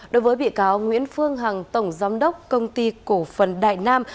đối với bị cáo nguyễn phương hằng tổng giám đốc công ty cổ phần đại nam